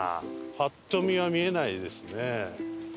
パッと見は見えないですね。